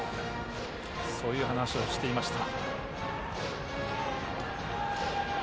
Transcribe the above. そういう話をしていました。